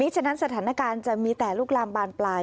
ฉะนั้นสถานการณ์จะมีแต่ลูกลามบานปลาย